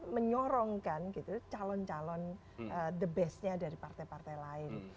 menyorongkan calon calon the bestnya dari partai partai lain